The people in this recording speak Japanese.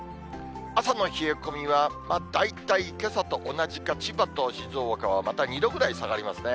朝の冷え込みは、大体けさと同じか、千葉と静岡はまた２度ぐらい下がりますね。